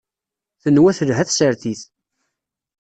Tenwa telha tsertit.